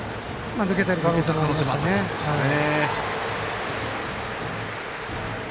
抜けてる可能性もありましたね。